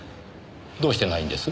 どうしてないんです？